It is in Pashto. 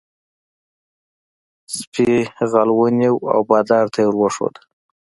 سپي غل ونیو او بادار ته یې ور وښود.